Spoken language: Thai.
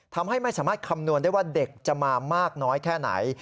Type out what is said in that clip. ทำให้ไม่สามารถคำนวณได้ว่าเด็กจะมามากน้อยแค่ไหน